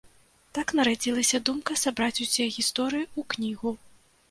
Так нарадзілася думка сабраць усе гісторыі ў кнігу.